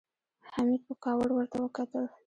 حميد په کاوړ ورته وکتل.